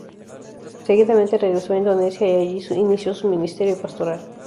Seguidamente regresó a Indonesia y allí inició su ministerio pastoral.